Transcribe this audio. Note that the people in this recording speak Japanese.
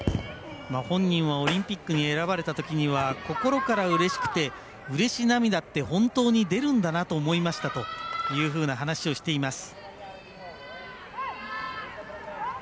本人はオリンピックに選ばれたときには心からうれしくて、うれし涙って本当に出るんだなと思いましたという話をしています。